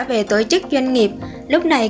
về tổ chức doanh nghiệp lúc này